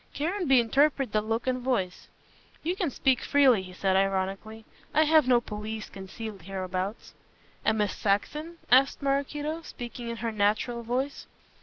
Caranby interpreted the look and voice. "You can speak freely," he said ironically, "I have no police concealed hereabouts." "And Miss Saxon?" asked Maraquito, speaking in her natural voice.